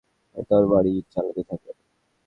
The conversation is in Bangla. এক হাতে পতাকা ধরে অপর হাতে তরবারি চালাতে থাকেন।